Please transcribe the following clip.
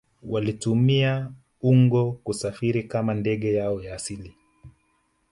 Walitumia ungo kusafiria kama ndege yao ya asili